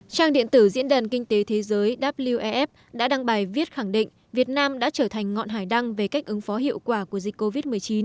trang điện tử diễn đàn kinh tế thế giới wef đã đăng bài viết khẳng định việt nam đã trở thành ngọn hải đăng về cách ứng phó hiệu quả của dịch covid một mươi chín